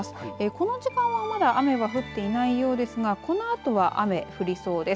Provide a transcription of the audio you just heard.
この時間はまだ雨が降っていないようですがこのあとは雨降りそうです。